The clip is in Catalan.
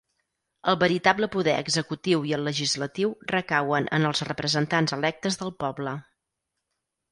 El veritable poder executiu i el legislatiu recauen en els representants electes del poble.